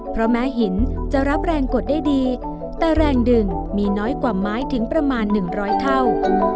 เพราะแม้หินจะรับแรงกดได้ดีแต่แรงดึงมีน้อยกว่าไม้ถึงประมาณ๑๐๐เท่า